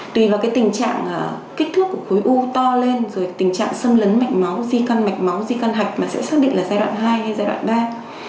tùy vào tình trạng kích thước của khối u to lên rồi tình trạng xâm lấn mạnh máu di căn mạch máu di căn hạch mà sẽ xác định là giai đoạn hai hay giai đoạn ba